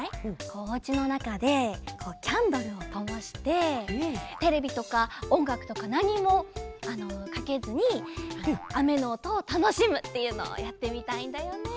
おうちのなかでキャンドルをともしてテレビとかおんがくとかなにもかけずにあめのおとをたのしむっていうのをやってみたいんだよね。